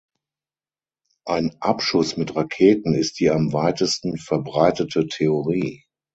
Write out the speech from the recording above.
Ein Abschuss mit Raketen ist die am weitesten verbreitete Theorie.